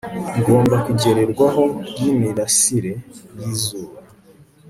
Ngomba kugerwaho nimirasire yi zuba